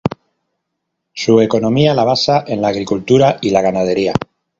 Su economía la basa en la agricultura y la ganadería.